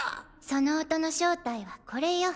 その音の正体はこれよ。